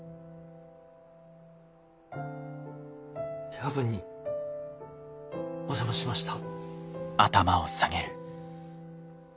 夜分にお邪魔しました。